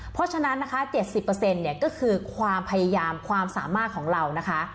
เพราะฉะนั้นนะคะ๗๐เนี่ยก็คือความพยายามความสามารถของเรานะคะ